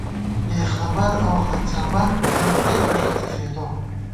بېخبر اؤ ہَڅَبَک آں تئیکہ ݭَڅی فېدِبوم